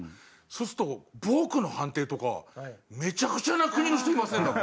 そうするとボークの判定とかめちゃくちゃな国の人いませんか？